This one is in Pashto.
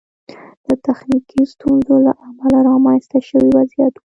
د تخنیکي ستونزو له امله رامنځته شوی وضعیت و.